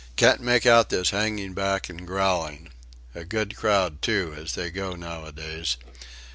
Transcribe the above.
"Can't make out this hanging back and growling. A good crowd, too, as they go nowadays."